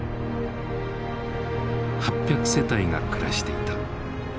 ８００世帯が暮らしていた。